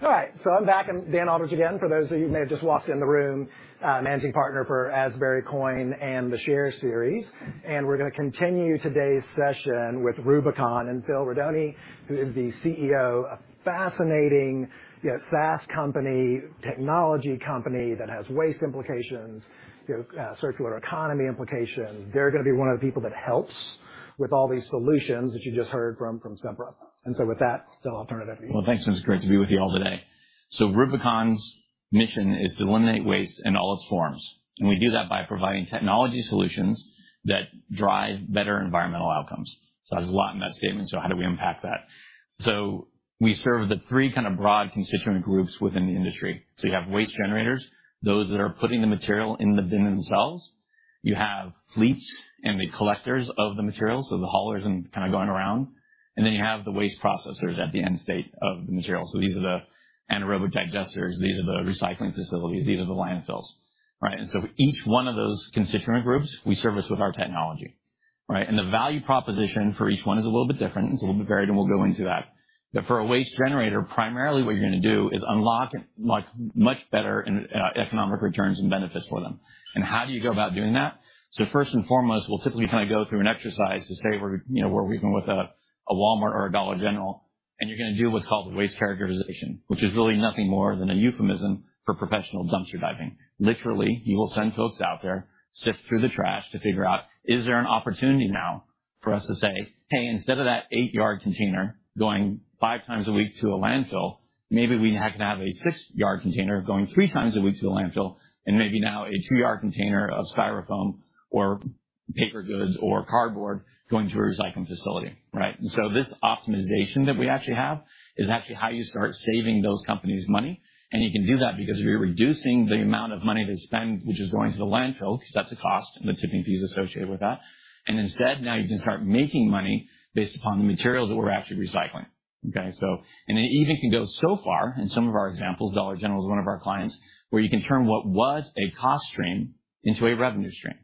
All right, so I'm back. I'm Dan Aldridge again, for those of you who may have just walked in the room, managing partner for Asbury Co. and the Share Series. And we're gonna continue today's session with Rubicon and Phil Rodoni, who is the CEO. A fascinating, yet SaaS company, technology company that has waste implications, circular economy implications. They're gonna be one of the people that helps with all these solutions that you just heard from, from Sempra. And so with that, Phil, I'll turn it over to you. Well, thanks. It's great to be with you all today. So Rubicon's mission is to eliminate waste in all its forms, and we do that by providing technology solutions that drive better environmental outcomes. So there's a lot in that statement, so how do we unpack that? So we serve the three kind of broad constituent groups within the industry. So you have waste generators, those that are putting the material in the bin themselves. You have fleets and the collectors of the materials, so the haulers and kind of going around. And then you have the waste processors at the end state of the material. So these are the anaerobic digesters, these are the recycling facilities, these are the landfills. Right? And so each one of those constituent groups, we service with our technology, right? And the value proposition for each one is a little bit different. It's a little bit varied, and we'll go into that. But for a waste generator, primarily what you're going to do is unlock, like, much better economic returns and benefits for them. And how do you go about doing that? So first and foremost, we'll typically kind of go through an exercise to say, we're, you know, working with a Walmart or a Dollar General, and you're going to do what's called the waste characterization, which is really nothing more than a euphemism for professional dumpster diving. Literally, you will send folks out there, sift through the trash to figure out, is there an opportunity now for us to say, "Hey, instead of that 8-yard container going 5 times a week to a landfill, maybe we now can have a 6-yard container going 3 times a week to the landfill, and maybe now a 2-yard container of Styrofoam or paper goods or cardboard going to a recycling facility," right? And so this optimization that we actually have is actually how you start saving those companies money. And you can do that because you're reducing the amount of money they spend, which is going to the landfill, because that's a cost, and the tipping fees associated with that. And instead, now you can start making money based upon the materials that we're actually recycling. Okay, so it even can go so far in some of our examples. Dollar General is one of our clients, where you can turn what was a cost stream into a revenue stream,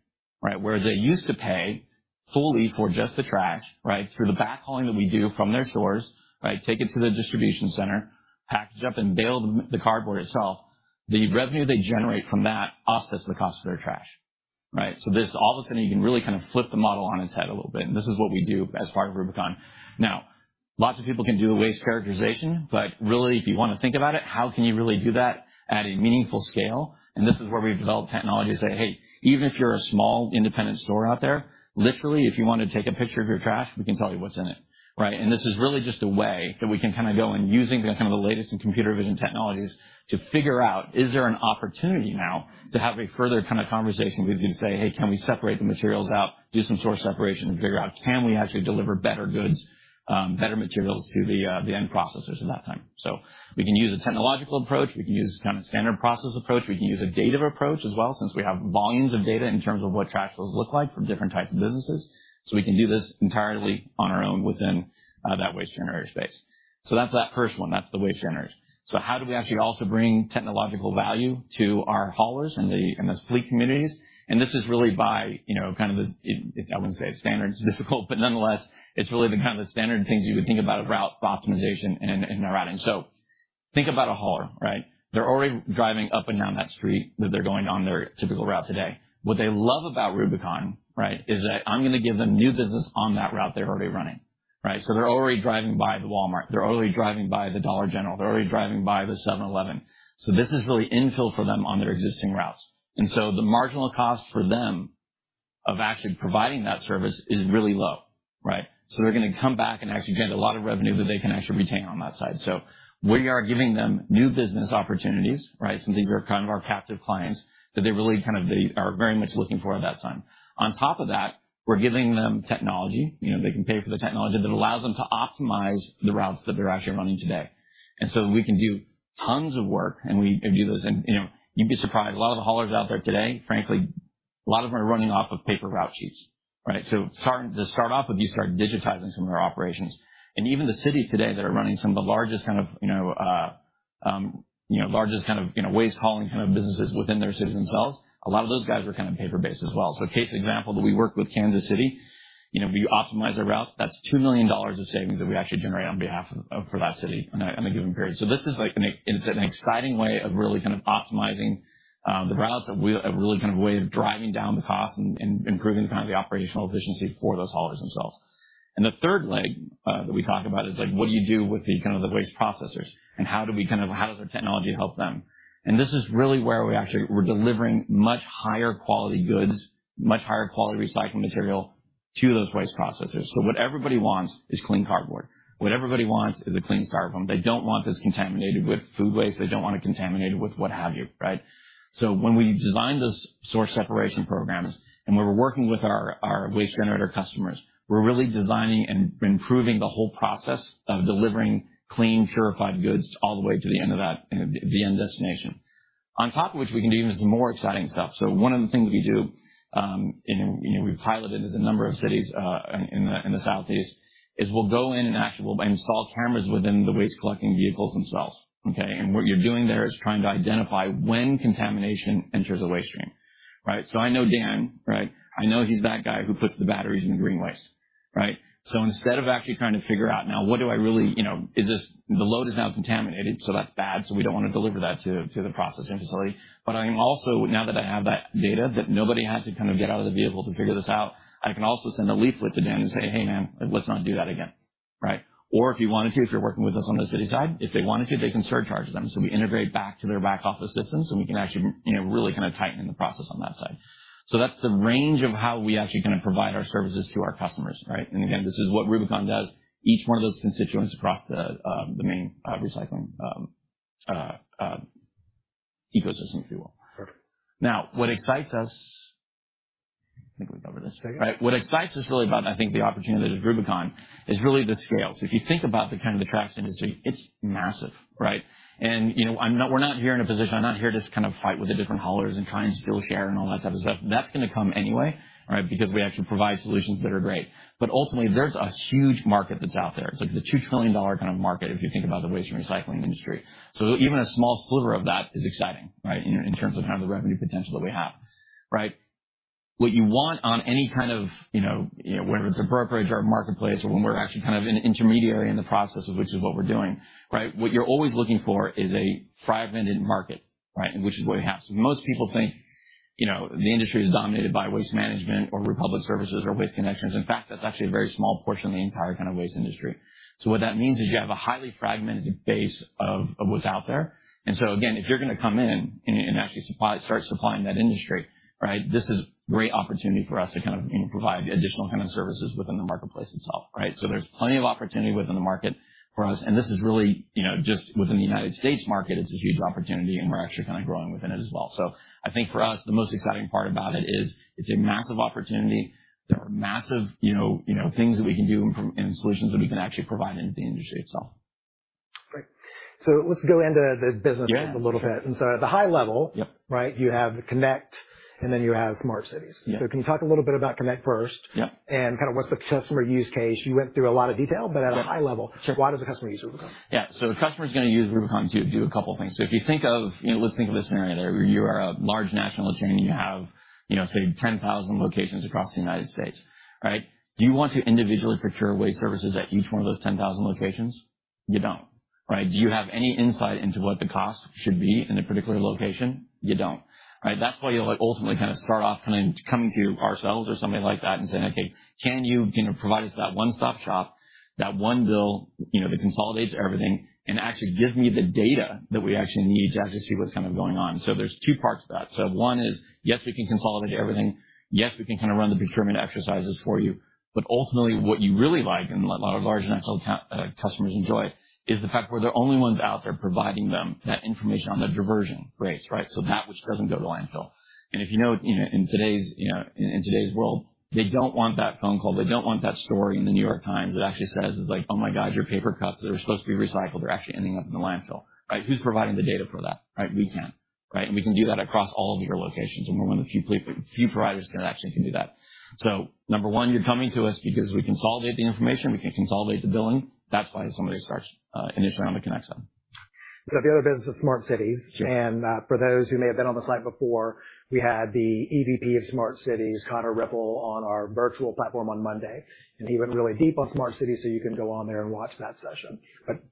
right? Where they used to pay fully for just the trash, right? Through the backhauling that we do from their stores, right, take it to the distribution center, package up and bale the cardboard itself. The revenue they generate from that offsets the cost of their trash, right? So this, all of a sudden, you can really kind of flip the model on its head a little bit, and this is what we do as part of Rubicon. Now, lots of people can do a waste characterization, but really, if you want to think about it, how can you really do that at a meaningful scale? This is where we've developed technology to say, hey, even if you're a small independent store out there, literally, if you want to take a picture of your trash, we can tell you what's in it, right? And this is really just a way that we can kind of go and using the kind of the latest in computer vision technologies to figure out, is there an opportunity now to have a further kind of conversation with you to say, hey, can we separate the materials out, do some source separation and figure out, can we actually deliver better goods, better materials to the end processors at that time? So we can use a technological approach. We can use kind of a standard process approach. We can use a data approach as well, since we have volumes of data in terms of what trash flows look like from different types of businesses. So we can do this entirely on our own within that waste generator space. So that's that first one. That's the waste generators. So how do we actually also bring technological value to our haulers and those fleet communities? And this is really by, you know, kind of the... I wouldn't say standard, it's difficult, but nonetheless, it's really the kind of the standard things you would think about route optimization and routing. So think about a hauler, right? They're already driving up and down that street that they're going on their typical route today. What they love about Rubicon, right, is that I'm going to give them new business on that route they're already running, right? So they're already driving by the Walmart. They're already driving by the Dollar General. They're already driving by the 7-Eleven. So this is really infill for them on their existing routes. And so the marginal cost for them of actually providing that service is really low, right? So they're going to come back and actually get a lot of revenue that they can actually retain on that side. So we are giving them new business opportunities, right? So these are kind of our captive clients that they really kind of, they are very much looking for at that time. On top of that, we're giving them technology. You know, they can pay for the technology that allows them to optimize the routes that they're actually running today. And so we can do tons of work, and we do this. You know, you'd be surprised, a lot of the haulers out there today, frankly, a lot of them are running off of paper route sheets, right? So starting, to start off with, you start digitizing some of their operations. And even the cities today that are running some of the largest kind of, you know, largest kind of, you know, waste hauling kind of businesses within their cities themselves, a lot of those guys are kind of paper-based as well. So case example, that we work with Kansas City, you know, we optimize their routes. That's $2 million of savings that we actually generate on behalf of, for that city on a given period. So this is like it's an exciting way of really kind of optimizing, the routes, a really kind of way of driving down the cost and, and improving kind of the operational efficiency for those haulers themselves. And the third leg, that we talk about is like, what do you do with the, kind of the waste processors, and how do we kind of how does the technology help them? And this is really where we actually, we're delivering much higher quality goods, much higher quality recycling material to those waste processors. So what everybody wants is clean cardboard. What everybody wants is a clean Styrofoam. They don't want this contaminated with food waste. They don't want it contaminated with what have you, right? So when we design those source separation programs, and when we're working with our, our waste generator customers, we're really designing and improving the whole process of delivering clean, purified goods all the way to the end of that, the end destination. On top of which, we can do even some more exciting stuff. So one of the things we do, and, you know, we've piloted this in a number of cities, in the Southeast, is we'll go in and actually we'll install cameras within the waste collecting vehicles themselves, okay? And what you're doing there is trying to identify when contamination enters a waste stream, right? So I know Dan, right? I know he's that guy who puts the batteries in the green waste.... Right? So instead of actually trying to figure out now, what do I really, you know, is this - the load is now contaminated, so that's bad, so we don't want to deliver that to, to the processing facility. But I can also, now that I have that data, that nobody has to kind of get out of the vehicle to figure this out, I can also send a leaflet to Dan and say, "Hey, man, let's not do that again," right? Or if you wanted to, if you're working with us on the city side, if they wanted to, they can surcharge them. So we integrate back to their back-office systems, and we can actually, you know, really kind of tighten the process on that side. So that's the range of how we actually kind of provide our services to our customers, right? And again, this is what Rubicon does, each one of those constituents across the main recycling ecosystem, if you will. Perfect. Now, what excites us... I think we covered this, right? What excites us really about, I think, the opportunity at Rubicon is really the scale. So if you think about the kind of the trash industry, it's massive, right? And, you know, I'm not- we're not here in a position... I'm not here to just kind of fight with the different haulers and try and steal share and all that type of stuff. That's going to come anyway, right? Because we actually provide solutions that are great. But ultimately, there's a huge market that's out there. It's like the $2 trillion kind of market if you think about the waste and recycling industry. So even a small sliver of that is exciting, right, in terms of kind of the revenue potential that we have, right? What you want on any kind of, you know, whether it's a brokerage or a marketplace or when we're actually kind of an intermediary in the process, which is what we're doing, right? What you're always looking for is a fragmented market, right, which is what we have. So most people think, you know, the industry is dominated by Waste Management or Republic Services or Waste Connections. In fact, that's actually a very small portion of the entire kind of waste industry. So what that means is you have a highly fragmented base of what's out there. And so, again, if you're going to come in and actually supply, start supplying that industry, right? This is great opportunity for us to kind of, you know, provide additional kind of services within the marketplace itself, right? So there's plenty of opportunity within the market for us, and this is really, you know, just within the United States market, it's a huge opportunity, and we're actually kind of growing within it as well. So I think for us, the most exciting part about it is it's a massive opportunity. There are massive, you know, things that we can do and solutions that we can actually provide in the industry itself. Great. Let's go into the business model a little bit. Yeah. And so at the high level- Yep. Right, you have Connect, and then you have Smart Cities. Yeah. Can you talk a little bit about Connect first? Yep. Kind of what's the customer use case? You went through a lot of detail, but at a high level- Sure. Why does a customer use Rubicon? Yeah. So a customer is going to use Rubicon to do a couple of things. So if you think of, you know, let's think of a scenario where you are a large national account, and you have, you know, say, 10,000 locations across the United States, right? Do you want to individually procure waste services at each one of those 10,000 locations? You don't. Right? Do you have any insight into what the cost should be in a particular location? You don't. Right? That's why you'll ultimately kind of start off coming to ourselves or somebody like that and saying: Okay, can you, you know, provide us that one-stop shop, that one bill, you know, that consolidates everything and actually give me the data that we actually need to actually see what's kind of going on? So there's two parts to that. So one is, yes, we can consolidate everything. Yes, we can kind of run the procurement exercises for you, but ultimately, what you really like, and a lot of large national account customers enjoy, is the fact we're the only ones out there providing them that information on the diversion rates, right? So that which doesn't go to landfill. And if you know, you know, in today's world, they don't want that phone call. They don't want that story in the New York Times that actually says, it's like, "Oh, my God, your paper cups that are supposed to be recycled are actually ending up in the landfill." Right? Who's providing the data for that? Right? We can. Right? And we can do that across all of your locations, and we're one of the few providers that actually can do that. Number one, you're coming to us because we consolidate the information, we can consolidate the billing. That's why somebody starts, initially on the Connect side. So the other business is Smart Cities. Sure. For those who may have been on the site before, we had the EVP of Smart Cities, Conor Riffle, on our virtual platform on Monday, and he went really deep on Smart Cities, so you can go on there and watch that session.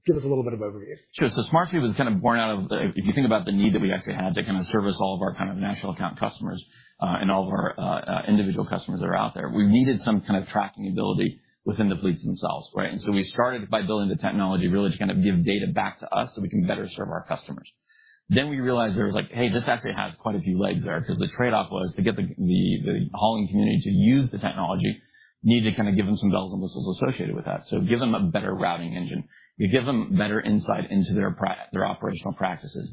Give us a little bit of overview. Sure. So Smart Cities was kind of born out of the... If you think about the need that we actually had to kind of service all of our kind of national account customers, and all of our individual customers that are out there, we needed some kind of tracking ability within the fleets themselves, right? And so we started by building the technology really to kind of give data back to us so we can better serve our customers. Then we realized there was like, "Hey, this actually has quite a few legs there." Because the trade-off was to get the hauling community to use the technology, we need to kind of give them some bells and whistles associated with that. So give them a better routing engine, you give them better insight into their operational practices.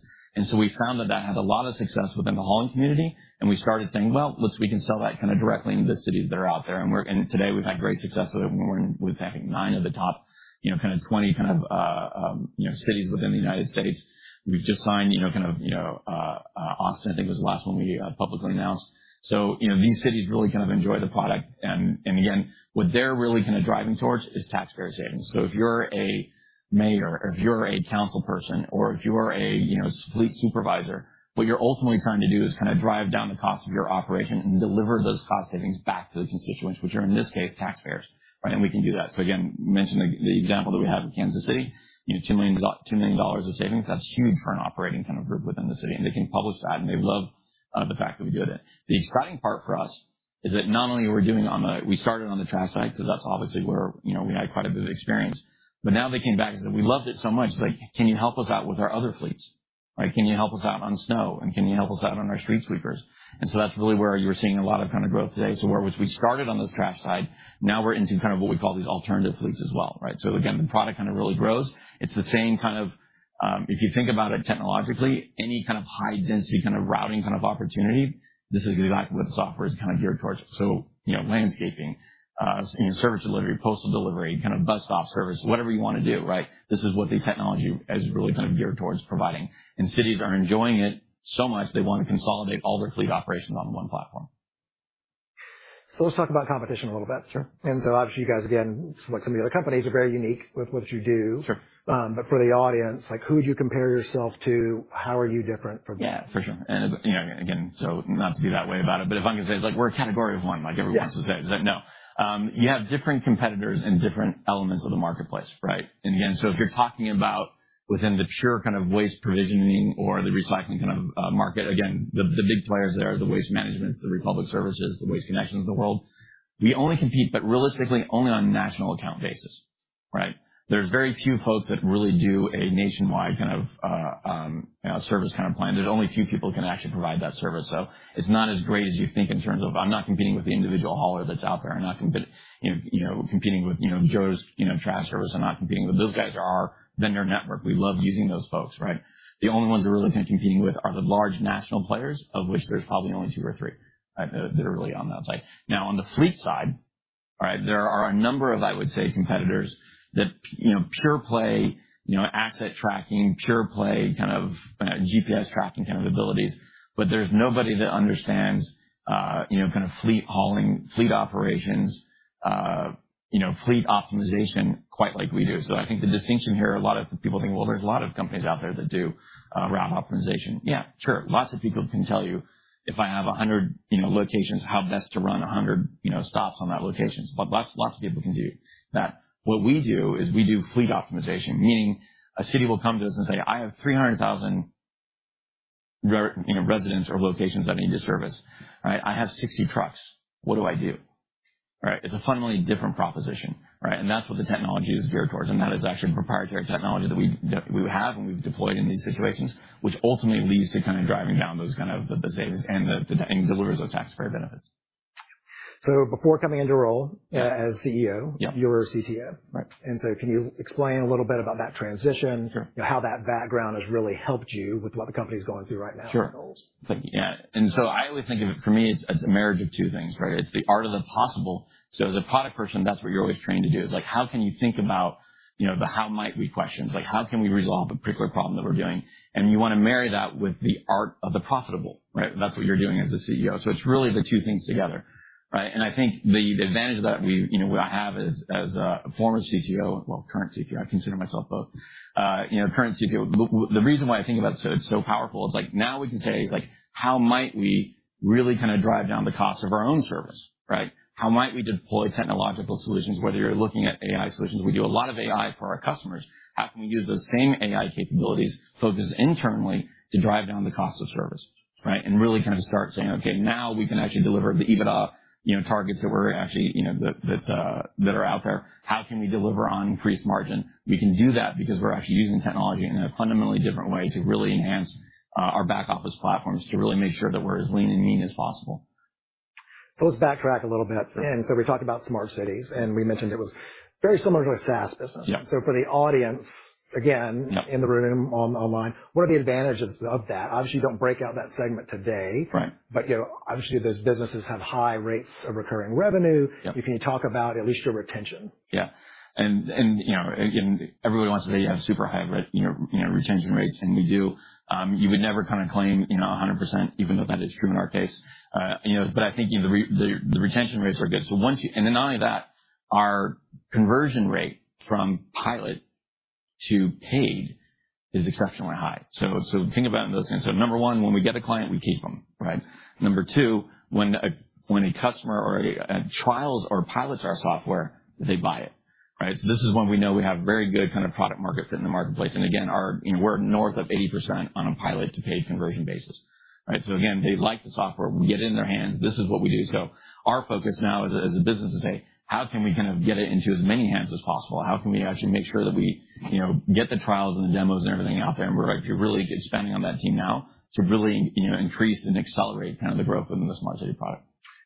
We found that that had a lot of success within the hauling community, and we started saying: Well, we can sell that kind of directly into the cities that are out there. And today, we've had great success with it, and we're in with, I think, 9 of the top, you know, kind of 20 kind of, you know, cities within the United States. We've just signed, you know, kind of, you know, Austin, I think, was the last one we publicly announced. So, you know, these cities really kind of enjoy the product. And again, what they're really kind of driving towards is taxpayer savings. So if you're a mayor, or if you're a council person, or if you're a, you know, fleet supervisor, what you're ultimately trying to do is kind of drive down the cost of your operation and deliver those cost savings back to the constituents, which are, in this case, taxpayers, right? We can do that. So again, mention the, the example that we have in Kansas City, you know, $2 million, $2 million of savings. That's huge for an operating kind of group within the city, and they can publish that, and they love the fact that we did it. The exciting part for us is that not only are we doing it on the, we started on the trash side, because that's obviously where, you know, we had quite a bit of experience, but now they came back and said: We loved it so much, like, can you help us out with our other fleets? Right. Can you help us out on snow, and can you help us out on our street sweepers? And so that's really where you're seeing a lot of kind of growth today. So where we started on this trash side, now we're into kind of what we call these alternative fleets as well, right? So again, the product kind of really grows. It's the same kind of, If you think about it technologically, any kind of high-density kind of routing kind of opportunity, this is exactly what the software is kind of geared towards. So, you know, landscaping, you know, service delivery, postal delivery, kind of bus stop service, whatever you want to do, right? This is what the technology is really kind of geared towards providing, and cities are enjoying it so much they want to consolidate all their fleet operations on one platform. Let's talk about competition a little bit. Sure. Obviously, you guys, again, like some of the other companies, are very unique with what you do. Sure. For the audience, like, who would you compare yourself to? How are you different from them? Yeah, for sure. And, you know, again, so not to be that way about it, but if I'm going to say, like, we're a category of one, like everyone says. Yeah. No, you have different competitors in different elements of the marketplace, right? And again, so if you're talking about within the pure kind of waste provisioning or the recycling kind of market. Again, the big players there are the Waste Management, the Republic Services, the Waste Connections of the world. We only compete, but realistically, only on national account basis, right? There's very few folks that really do a nationwide kind of, you know, service kind of plan. There's only a few people who can actually provide that service. So it's not as great as you think in terms of I'm not competing with the individual hauler that's out there. I'm not competing with, you know, Joe's trash service. I'm not competing with those guys; they are our vendor network. We love using those folks, right? The only ones we're really kind of competing with are the large national players, of which there's probably only two or three that are really on that side. Now, on the fleet side, all right, there are a number of, I would say, competitors that, you know, pure play, you know, asset tracking, pure play, kind of GPS tracking kind of abilities. But there's nobody that understands, you know, kind of fleet hauling, fleet operations, you know, fleet optimization quite like we do. So I think the distinction here, a lot of people think, well, there's a lot of companies out there that do route optimization. Yeah, sure. Lots of people can tell you, if I have 100, you know, locations, how best to run 100, you know, stops on that locations. But lots, lots of people can do that. What we do is we do fleet optimization, meaning a city will come to us and say, "I have 300,000 you know, residents or locations that I need to service, right? I have 60 trucks. What do I do?" Right? It's a fundamentally different proposition, right? And that's what the technology is geared towards, and that is actually proprietary technology that we, that we have and we've deployed in these situations, which ultimately leads to kind of driving down those kind of the savings and the, and delivers those taxpayer benefits. Before coming into your role as CEO- Yeah. you were a CTO. Right. Can you explain a little bit about that transition? Sure. How that background has really helped you with what the company is going through right now? Sure. Yeah. And so I always think of it, for me, it's a marriage of two things, right? It's the art of the possible. So as a product person, that's what you're always trained to do, is like, how can you think about, you know, the how might we questions? Like, how can we resolve a particular problem that we're doing? And you want to marry that with the art of the profitable, right? That's what you're doing as a CEO. So it's really the two things together, right? And I think the advantage that we, you know, I have as a former CTO, well, current CTO, I consider myself both, you know, current CTO. The reason why I think that's so, so powerful is like now we can say, is like, how might we really kind of drive down the cost of our own service, right? How might we deploy technological solutions, whether you're looking at AI solutions? We do a lot of AI for our customers. How can we use those same AI capabilities, focused internally, to drive down the cost of service, right? And really kind of start saying, okay, now we can actually deliver the EBITDA, you know, targets that we're actually, you know, that, that are out there. How can we deliver on increased margin? We can do that because we're actually using technology in a fundamentally different way to really enhance our back office platforms, to really make sure that we're as lean and mean as possible. Let's backtrack a little bit. Sure. And so we talked about smart cities, and we mentioned it was very similar to a SaaS business. Yeah. So for the audience, again- Yeah... in the room, online, what are the advantages of that? Obviously, you don't break out that segment today. Right. You know, obviously, those businesses have high rates of recurring revenue. Yeah. Can you talk about at least your retention? Yeah. And, you know, again, everybody wants to say you have super high retention rates, and we do. You would never kind of claim, you know, 100%, even though that is true in our case. You know, but I think, you know, the retention rates are good. And then on top of that, our conversion rate from pilot to paid is exceptionally high. So, so think about those things. So number one, when we get a client, we keep them, right? Number two, when a customer trials or pilots our software, they buy it, right? So this is when we know we have very good kind of product market fit in the marketplace. And again, our, you know, we're north of 80% on a pilot to paid conversion basis, right? So again, they like the software, we get it in their hands. This is what we do. So our focus now as a, as a business is to say: How can we kind of get it into as many hands as possible? How can we actually make sure that we, you know, get the trials and the demos and everything out there? And we're actually really expanding on that team now to really, you know, increase and accelerate kind of the growth in the smart city product.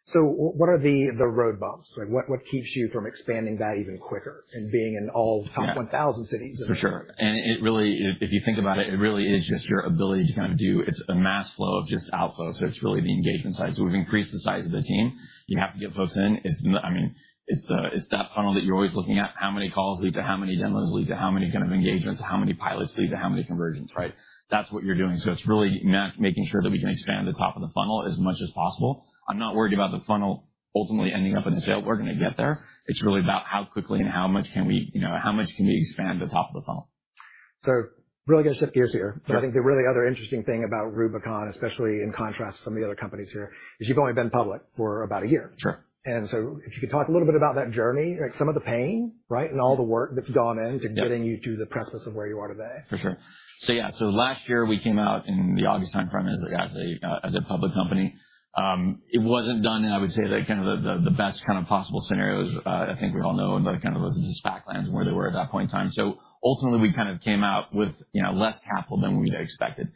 So what are the road bumps? Like, what keeps you from expanding that even quicker and being in all top 1,000 cities? For sure. It really, if you think about it, it really is just your ability to kind of do. It's a mass flow of just outflow, so it's really the engagement side. We've increased the size of the team. You have to get folks in. It's, I mean, it's the, it's that funnel that you're always looking at. How many calls lead to how many demos, lead to how many kind of engagements, to how many pilots, lead to how many conversions, right? That's what you're doing. It's really making sure that we can expand the top of the funnel as much as possible. I'm not worried about the funnel ultimately ending up in the sale. We're going to get there. It's really about how quickly and how much can we, you know, how much can we expand the top of the funnel? So really going to shift gears here. Sure. I think the really other interesting thing about Rubicon, especially in contrast to some of the other companies here, is you've only been public for about a year. Sure. And so if you could talk a little bit about that journey, like some of the pain, right? Yeah. And all the work that's gone in- Yeah to getting you to the precipice of where you are today. For sure. So yeah, so last year, we came out in the August timeframe as a public company. It wasn't done, I would say, like kind of the best kind of possible scenarios. I think we all know kind of those SPAC lands and where they were at that point in time. So ultimately, we kind of came out with, you know, less capital than we'd expected.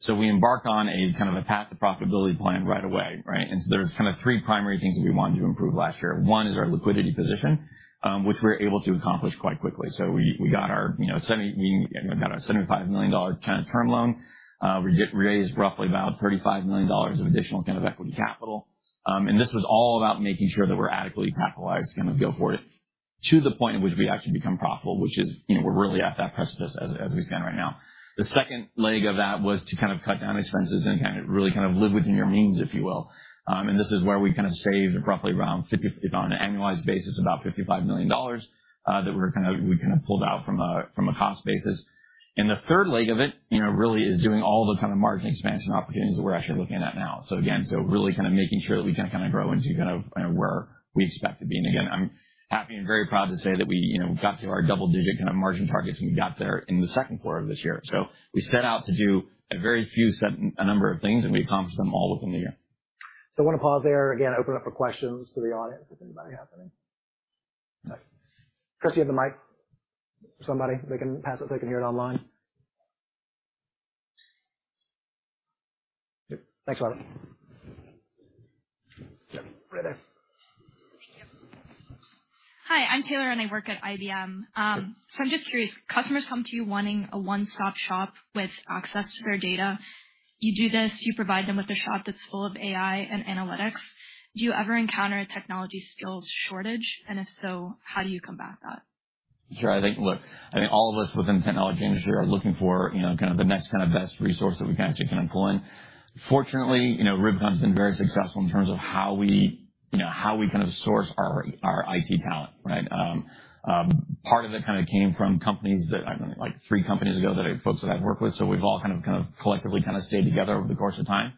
So we embarked on a kind of a path to profitability plan right away, right? And so there was kind of three primary things that we wanted to improve last year. One is our liquidity position, which we were able to accomplish quite quickly. So we, we got our, you know, we got our $75 million term loan. We raised roughly about $35 million of additional kind of equity capital. And this was all about making sure that we're adequately capitalized kind of go forward, to the point in which we actually become profitable, which is, you know, we're really at that precipice as we stand right now. The second leg of that was to kind of cut down expenses and kind of, really kind of live within your means, if you will. And this is where we kind of saved roughly around 50, on an annualized basis, about $55 million, that we kind of pulled out from a cost basis. And the third leg of it, you know, really is doing all the kind of margin expansion opportunities that we're actually looking at now. So again, so really kind of making sure that we kind of grow into kind of where we expect to be. And again, I'm happy and very proud to say that we, you know, got to our double-digit kind of margin targets, and we got there in the second quarter of this year. So we set out to do a very few set, a number of things, and we accomplished them all within the year. I want to pause there. Again, open up for questions to the audience, if anybody has any. Chris, do you have the mic?... Somebody, they can pass it so they can hear it online. Yep, thanks a lot. Yep, right there. Yep. Hi, I'm Taylor, and I work at IBM. So I'm just curious, customers come to you wanting a one-stop shop with access to their data. You do this, you provide them with a shop that's full of AI and analytics. Do you ever encounter a technology skills shortage? And if so, how do you combat that? Sure. I think, look, I think all of us within the technology industry are looking for, you know, kind of the next kind of best resource that we can actually kind of employ. Fortunately, you know, Rubicon has been very successful in terms of how we, you know, how we kind of source our, our IT talent, right? Part of it kind of came from companies that, I don't know, like, three companies ago, that are folks that I've worked with, so we've all kind of, kind of collectively kind of stayed together over the course of time.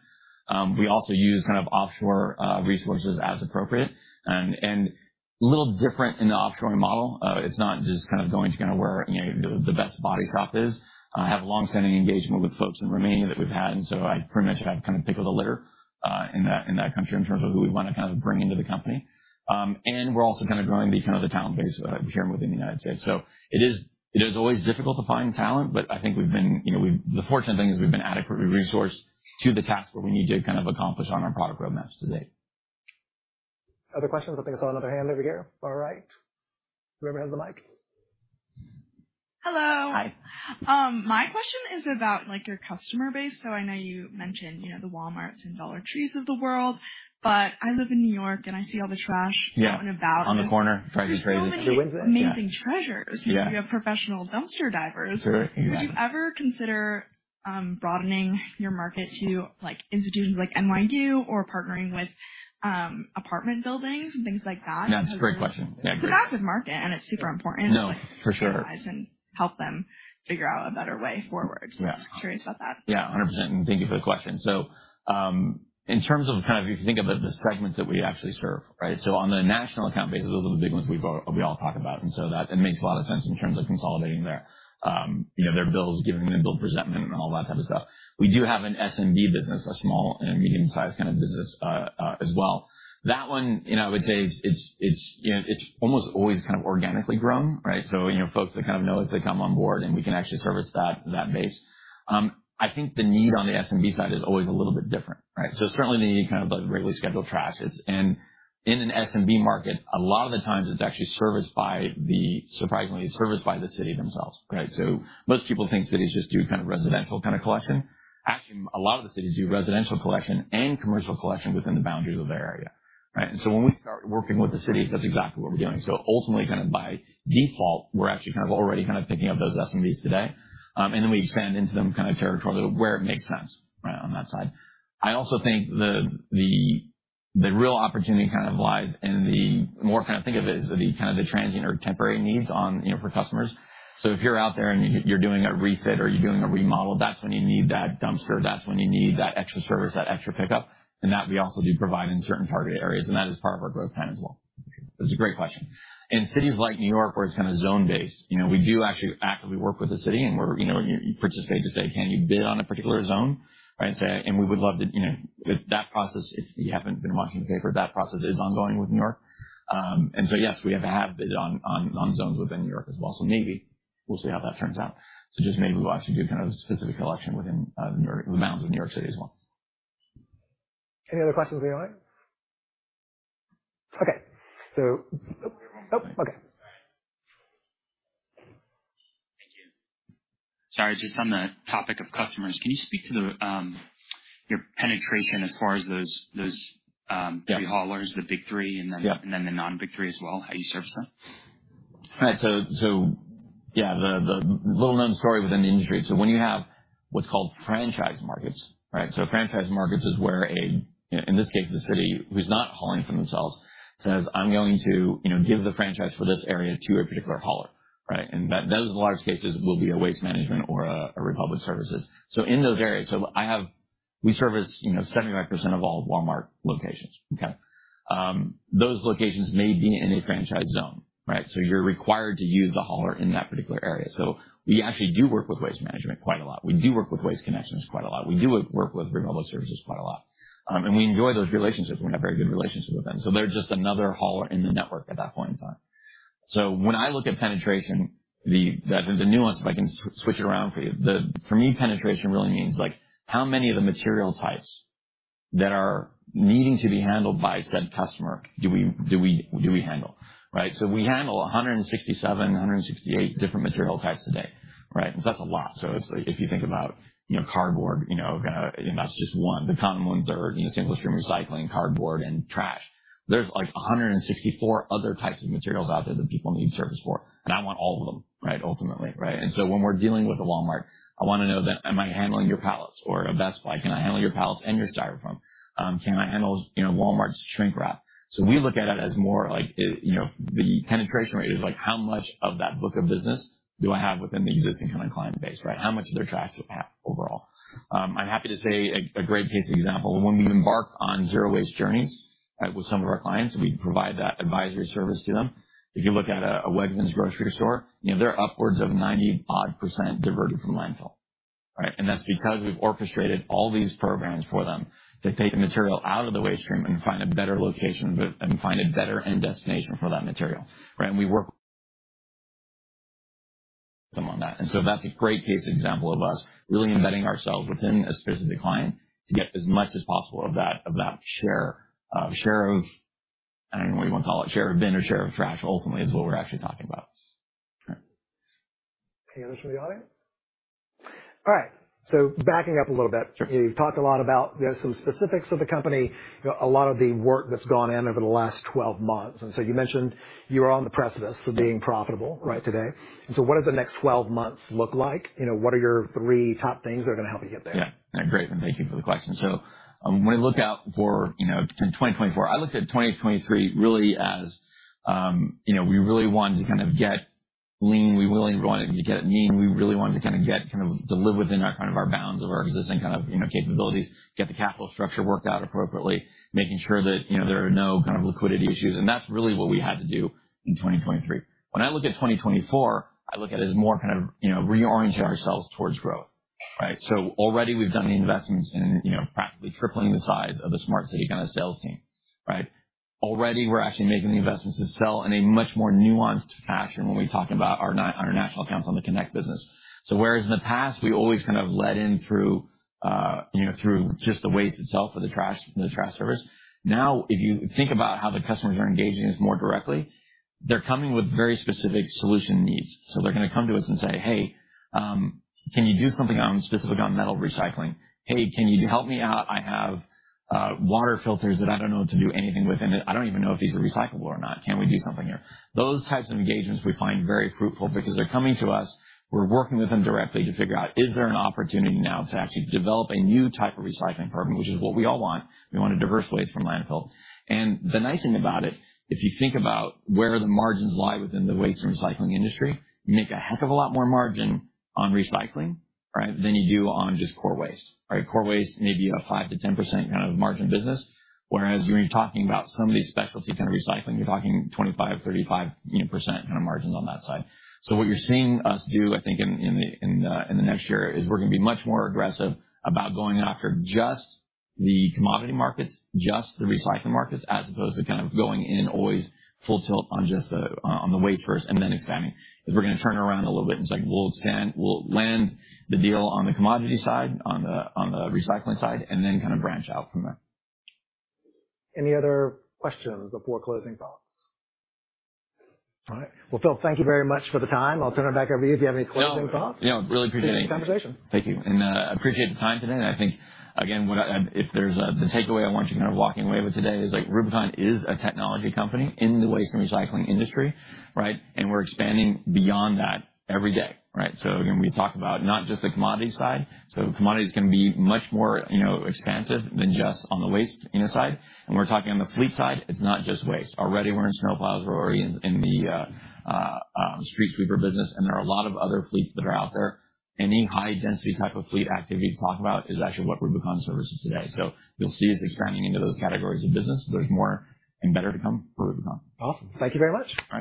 We also use kind of offshore resources as appropriate, and a little different in the offshoring model. It's not just kind of going to kind of where, you know, the best body shop is. I have a long-standing engagement with folks in Romania that we've had, and so I pretty much kind of pick of the litter in that country in terms of who we want to kind of bring into the company. And we're also kind of growing kind of the talent base here within the United States. So it is always difficult to find talent, but I think we've been. You know, the fortunate thing is we've been adequately resourced to the task where we need to kind of accomplish on our product roadmaps today. Other questions? I think I saw another hand over here, far right. Whoever has the mic. Hello. Hi. My question is about, like, your customer base. So I know you mentioned, you know, the Walmarts and Dollar Trees of the world, but I live in New York, and I see all the trash- Yeah. - out and about. On the corner. Drive you crazy. Who is it? Amazing treasures. Yeah. You have professional dumpster divers. Sure. Exactly. Would you ever consider broadening your market to, like, institutions like NYU or partnering with apartment buildings and things like that? Yeah, that's a great question. Yeah. It's a massive market, and it's super important- No, for sure. and help them figure out a better way forward. Yeah. Just curious about that. Yeah, 100%, and thank you for the question. So, in terms of kind of if you think about the segments that we actually serve, right? So on the national account basis, those are the big ones we've all, we all talk about, and so that it makes a lot of sense in terms of consolidating their, you know, their bills, giving them a bill presentation, and all that type of stuff. We do have an SMB business, a small and medium-sized kind of business, as well. That one, you know, I would say it's, it's, you know, it's almost always kind of organically grown, right? So, you know, folks that kind of know us, they come on board, and we can actually service that, that base. I think the need on the SMB side is always a little bit different, right? So it's certainly the kind of like regularly scheduled trash. And in an SMB market, a lot of the times, it's actually serviced by the, surprisingly, serviced by the city themselves, right? So most people think cities just do kind of residential kind of collection. Actually, a lot of the cities do residential collection and commercial collection within the boundaries of their area, right? And so when we start working with the cities, that's exactly what we're doing. So ultimately, kind of by default, we're actually kind of already kind of picking up those SMBs today. And then we expand into them kind of territorially where it makes sense, right, on that side. I also think the real opportunity kind of lies in the more kind of think of it as the kind of the transient or temporary needs on, you know, for customers. So if you're out there and you're doing a refit or you're doing a remodel, that's when you need that dumpster, that's when you need that extra service, that extra pickup, and that we also do provide in certain targeted areas, and that is part of our growth plan as well. That's a great question. In cities like New York, where it's kind of zone-based, you know, we do actually actively work with the city, and we're, you know, you participate to say, "Can you bid on a particular zone?" Right, and say... And we would love to, you know, if that process, if you haven't been watching the paper, that process is ongoing with New York. And so yes, we have to have bid on zones within New York as well. So maybe we'll see how that turns out. Just maybe we'll actually do kind of specific collection within New York, the bounds of New York City as well. Any other questions online? Okay, so... Oh, okay. Thank you. Sorry, just on the topic of customers, can you speak to the, your penetration as far as those three haulers, the big three- Yeah. And then the non-big three as well, how you service them? Right. So, yeah, the little-known story within the industry. So when you have what's called franchise markets, right? So franchise markets is where a, in this case, the city, who's not hauling for themselves, says: I'm going to, you know, give the franchise for this area to a particular hauler, right? And that, those large cases will be a Waste Management or a Republic Services. So in those areas, so I have we service, you know, 75% of all Walmart locations, okay? Those locations may be in a franchise zone, right? So you're required to use the hauler in that particular area. So we actually do work with Waste Management quite a lot. We do work with Waste Connections quite a lot. We do work with Republic Services quite a lot. And we enjoy those relationships, and we have very good relationships with them. So they're just another hauler in the network at that point in time. So when I look at penetration, the nuance, if I can switch it around for you, for me, penetration really means, like, how many of the material types that are needing to be handled by said customer do we handle, right? So we handle 167, 168 different material types a day, right? So that's a lot. So it's like if you think about, you know, cardboard, you know, and that's just one. The common ones are, you know, single-stream recycling, cardboard, and trash. There's, like, 164 other types of materials out there that people need service for, and I want all of them, right? Ultimately, right? And so when we're dealing with a Walmart, I want to know that, am I handling your pallets or a Best Buy? Can I handle your pallets and your styrofoam? Can I handle, you know, Walmart's shrink wrap? So we look at it as more like, you know, the penetration rate is like, how much of that book of business do I have within the existing kind of client base, right? How much of their trash do we have overall? I'm happy to say a great case example, when we embark on zero-waste journeys, right, with some of our clients, we provide that advisory service to them. If you look at a Wegmans grocery store, you know, they're upwards of 90-odd% diverted from landfill.... Right? And that's because we've orchestrated all these programs for them to take the material out of the waste stream and find a better location, but, and find a better end destination for that material, right? And we work them on that. And so that's a great case example of us really embedding ourselves within a specific client to get as much as possible of that, of that share, share of... I don't know what you want to call it, share of bin or share of trash, ultimately, is what we're actually talking about. Any others from the audience? All right. So backing up a little bit, you've talked a lot about, you know, some specifics of the company, you know, a lot of the work that's gone in over the last 12 months. And so you mentioned you are on the precipice of being profitable, right, today. So what does the next 12 months look like? You know, what are your three top things that are going to help you get there? Yeah. Great, and thank you for the question. So, when I look out for, you know, in 2024, I looked at 2023 really as, you know, we really wanted to kind of get lean. We really wanted to get mean. We really wanted to kind of get, kind of deliver within our, kind of, our bounds of our existing kind of, you know, capabilities, get the capital structure worked out appropriately, making sure that, you know, there are no kind of liquidity issues. And that's really what we had to do in 2023. When I look at 2024, I look at it as more kind of, you know, reorienting ourselves towards growth, right? So already we've done the investments in, you know, practically tripling the size of the smart city kind of sales team, right? Already, we're actually making the investments to sell in a much more nuanced fashion when we talk about our national accounts on the Connect business. So whereas in the past, we always kind of led in through you know through just the waste itself or the trash, the trash service. Now, if you think about how the customers are engaging us more directly, they're coming with very specific solution needs. So they're gonna come to us and say, "Hey, can you do something on specific on metal recycling? Hey, can you help me out? I have water filters that I don't know what to do anything with, and I don't even know if these are recyclable or not. Can we do something here?" Those types of engagements we find very fruitful because they're coming to us. We're working with them directly to figure out, is there an opportunity now to actually develop a new type of recycling program, which is what we all want. We want to divert waste from landfill. And the nice thing about it, if you think about where the margins lie within the waste and recycling industry, you make a heck of a lot more margin on recycling, right, than you do on just core waste, right? Core waste, maybe a 5%-10% kind of margin business, whereas when you're talking about some of these specialty kind of recycling, you're talking 25, 35, you know, % kind of margins on that side. So what you're seeing us do, I think, in the next year, is we're going to be much more aggressive about going after just the commodity markets, just the recycling markets, as opposed to kind of going in always full tilt on just the waste first and then expanding. We're gonna turn it around a little bit, and it's like, we'll expand, we'll land the deal on the commodity side, on the recycling side, and then kind of branch out from there. Any other questions or closing thoughts? All right. Well, Phil, thank you very much for the time. I'll turn it back over to you if you have any closing thoughts. Yeah. Really appreciate it. Good conversation. Thank you. And I appreciate the time today. And I think, again, if there's a takeaway I want you to kind of walking away with today is, like, Rubicon is a technology company in the waste and recycling industry, right? And we're expanding beyond that every day, right? So again, we talk about not just the commodity side. So commodities can be much more, you know, expansive than just on the waste, you know, side. And we're talking on the fleet side, it's not just waste. Already, we're in snow plows, we're already in the street sweeper business, and there are a lot of other fleets that are out there. Any high-density type of fleet activity you talk about is actually what Rubicon services today. So you'll see us expanding into those categories of business. There's more and better to come for Rubicon. Awesome. Thank you very much. All right.